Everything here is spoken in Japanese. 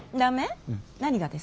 何がです？